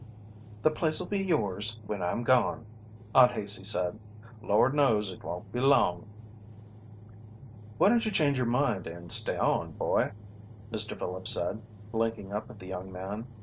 "The place'll be yours when I'm gone," Aunt Haicey said. "Lord knows it won't be long." "Why don't you change your mind and stay on, boy?" Mr. Phillips said, blinking up at the young man.